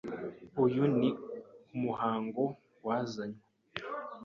Uyu ni umuhango wazanywe